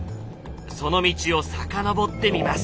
その道を遡ってみます。